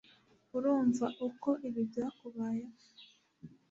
urumva uko ibi byakubayeho